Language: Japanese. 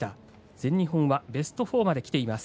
全日本はベスト４まできています。